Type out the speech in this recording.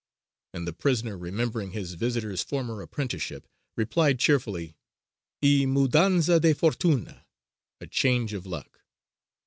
And the prisoner, remembering his visitor's former apprenticeship, replied cheerfully, "Y mudanza de fortuna a change of luck!"